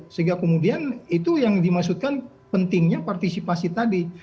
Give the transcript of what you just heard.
sehingga kemudian itu yang dimaksudkan pentingnya partisipasi tadi